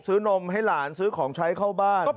นมให้หลานซื้อของใช้เข้าบ้าน